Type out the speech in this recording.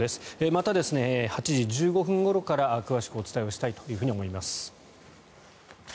また８時１５分ごろから詳しくお伝えしたいと思います。